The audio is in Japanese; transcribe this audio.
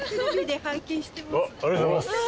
ありがとうございます。